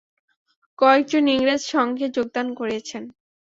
কয়েকজন ইংরেজ সঙ্ঘে যোগদান করিয়াছেন।